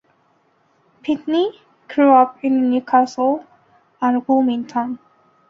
Pinkney grew up in New Castle and Wilmington.